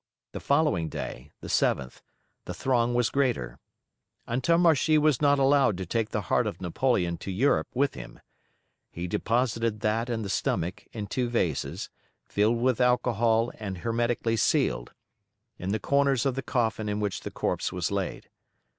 The following day (the 7th) the throng was greater. Antommarchi was not allowed to take the heart of Napoleon to Europe with him; he deposited that and the stomach in two vases, filled with alcohol and hermetically sealed, in the corners of the coffin in which the corpse was laid.